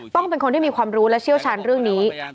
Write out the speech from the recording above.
ต้องเป็นคนที่มีความรู้และเชี่ยวชาญเรื่องนี้